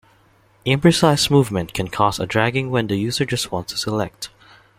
Imprecise movement can cause a dragging when the user just wants to select.